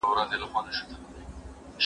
ملي ویاړونه افغانان سره نږدې کوي.